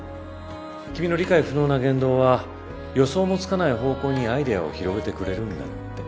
君の理解不能な言動は予想もつかない方向にアイデアを広げてくれるんだって。